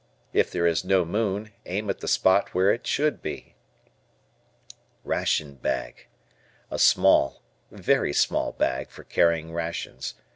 It there is no moon, aim at the spot where it should be. Ration Bag. A small, very small bag for carrying rations.